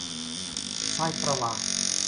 Sai pra lá